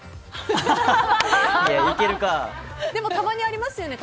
でも、たまにありますよね。